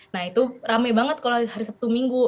nah itu rame banget kalau hari sabtu minggu